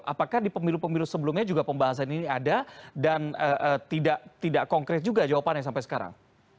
apakah di pemilu pemilu sebelumnya juga pembahasan ini ada dan tidak konkret juga jawabannya sampai sekarang